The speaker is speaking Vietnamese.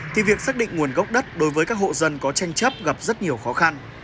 thì việc xác định nguồn gốc đất đối với các hộ dân có tranh chấp gặp rất nhiều khó khăn